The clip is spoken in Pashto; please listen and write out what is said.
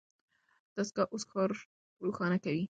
دستګاه اوس ښار روښانه کوي.